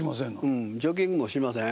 うんジョギングもしません。